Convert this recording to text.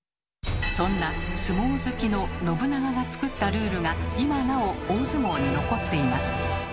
そんな相撲好きの信長が作ったルールが今なお大相撲に残っています。